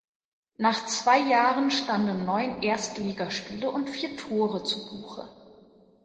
Nach zwei Jahren standen neun Erstligaspiele und vier Tore zu Buche.